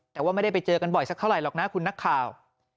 แต่ว่าไม่ได้ไปเจอกันบ่อยสักเท่าไหรหรอกนะคุณนักข่าว